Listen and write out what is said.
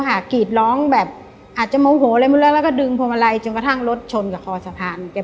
กรีดร้องแบบอาจจะโมโหอะไรไม่รู้แล้วแล้วก็ดึงพวงมาลัยจนกระทั่งรถชนกับคอสะพานแก